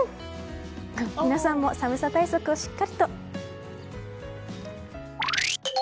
皆さんも寒さ対策をしっかりと。